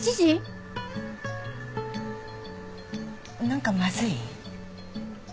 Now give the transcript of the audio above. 何かまずい？